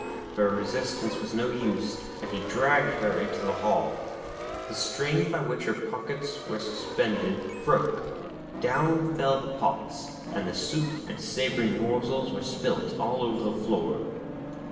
Her resistance was no use, and he dragged her into the hall. The string by which her pockets were suspended broke. Down fell the pots, and the soup and savoury morsels were spilt all over the floor.